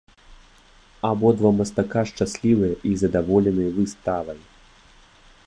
Абодва мастака шчаслівыя і задаволеныя выставай!